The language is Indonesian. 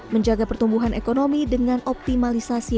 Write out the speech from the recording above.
menjaga pertumbuhan ekonomi dengan optimalisasi